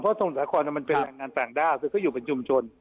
เพราะสมุทรสาครมันเป็นงานส่างด้าซึ่งก็อยู่เป็นชุมชน